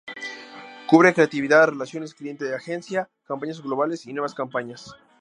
Cubre creatividad, relaciones cliente–agencia, campañas globales y nuevas campañas.